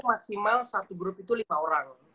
maksimal satu grup itu lima orang